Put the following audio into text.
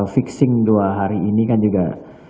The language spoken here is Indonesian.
fixing dua hari ini kan juga